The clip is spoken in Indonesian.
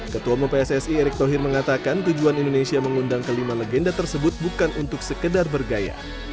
ketua mpssi eric tohir mengatakan tujuan indonesia mengundang kelima legenda tersebut bukan untuk sekedar bergaya